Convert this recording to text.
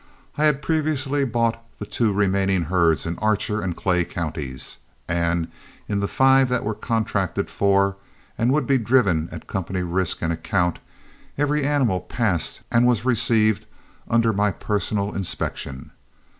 I had previously bought the two remaining herds in Archer and Clay counties, and in the five that were contracted for and would be driven at company risk and account, every animal passed and was received under my personal inspection.